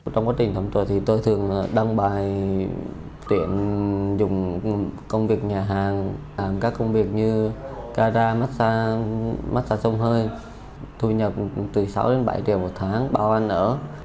trong quá trình thẩm thuật tôi thường đăng bài tuyển dùng công việc nhà hàng làm các công việc như ca ra mát xa mát xa sông hơi thu nhập từ sáu đến bảy triệu một tháng bao anh ở